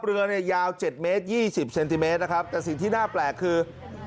เรือเนี่ยยาว๗เมตร๒๐เซนติเมตรนะครับแต่สิ่งที่น่าแปลกคือ